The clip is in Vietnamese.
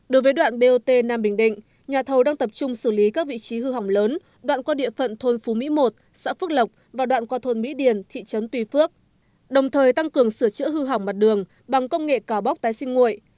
đối với đoạn bot nam bình định nhà thầu đang tập trung xử lý các vị trí hư hỏng lớn đoạn qua địa phận thôn phú mỹ một xã phước lộc và đoạn qua thôn mỹ điền thị trấn tuy phước đồng thời tăng cường sửa chữa hư hỏng mặt đường bằng công nghệ cào bóc tái sinh nguội